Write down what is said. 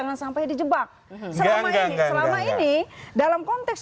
mereka mengundurkan diri